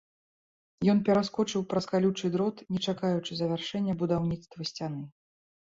Ён пераскочыў праз калючы дрот, не чакаючы завяршэння будаўніцтва сцяны.